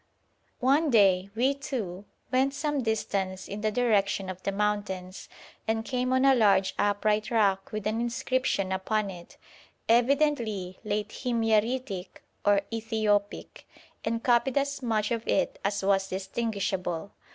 One day we two went some distance in the direction of the mountains, and came on a large upright rock with an inscription upon it, evidently late Himyaritic or Ethiopic, and copied as much of it as was distinguishable.